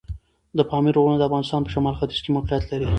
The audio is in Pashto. د پامیر غرونه د افغانستان په شمال ختیځ کې موقعیت لري.